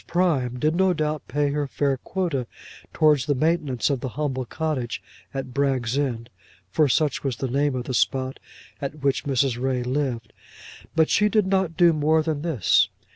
Prime did no doubt pay her fair quota towards the maintenance of the humble cottage at Bragg's End, for such was the name of the spot at which Mrs. Ray lived. But she did not do more than this.